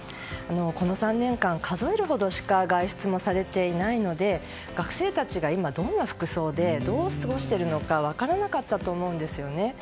この３年間、数えるほどしか外出もされていないので学生たちが今どんな服装でどう過ごしているのか分からなかったと思うんですよね。